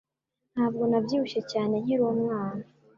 Ntabwo nabyibushye cyane nkiri umwana.